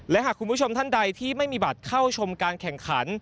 และหากคุณผู้ชมท่านใดที่ไม่มีบัตรเข้าชมการแข่งขัน